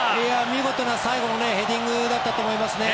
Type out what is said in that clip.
見事な最後のヘディングだったと思いますね。